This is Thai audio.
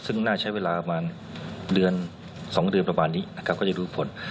ซึ่งน่าใช้เวลาประมาณเดือน๒เดือนประมาณนี้นะครับก็จะรู้ผล